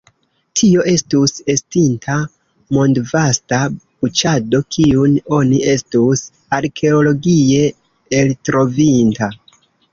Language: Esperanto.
Tio estus estinta mondvasta buĉado, kiun oni estus arkeologie eltrovinta.